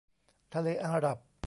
ทะเลอาหรับ